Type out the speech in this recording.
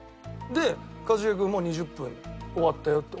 で一茂君もう２０分終わったよって。